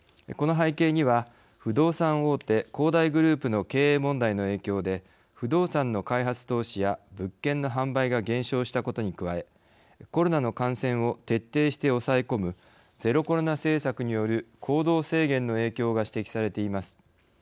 この背景には不動産大手恒大グループの経営問題の影響で不動産の開発投資や物件の販売が減少したことに加えコロナの感染を徹底して抑え込むゼロコロナ政策による行動制限の影響が指摘されています。